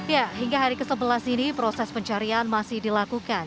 ya hingga hari ke sebelas ini proses pencarian masih dilakukan